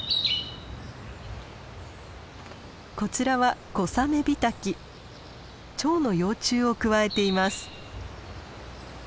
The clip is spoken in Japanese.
こちらはチョウの幼虫をくわえています。